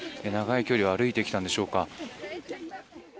長い距離を歩いてきたんでしょうか。